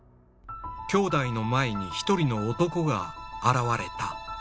兄弟の前に一人の男が現れた。